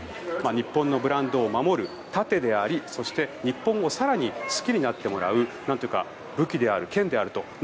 日本のブランドを守る盾であり日本を更に好きになってもらう武器である、剣であると。